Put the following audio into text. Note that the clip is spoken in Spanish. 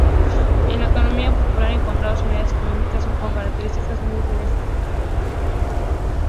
En la economía popular encontramos unidades económicas con características muy diferentes.